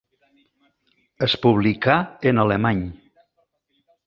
Es publicà en alemany.